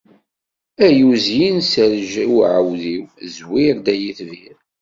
Ay uzyin serǧ i uɛudiw, zwir-d ay itbir.